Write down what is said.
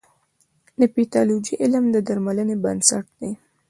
د پیتالوژي علم د درملنې بنسټ دی.